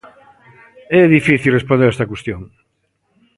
É difícil responder a esta cuestión.